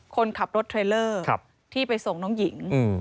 คนขับรถเทรลเลอร์ที่ไปส่งน้องหญิง